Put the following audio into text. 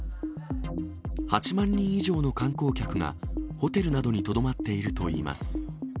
８万人以上の観光客がホテルなどにとどまっているといいます。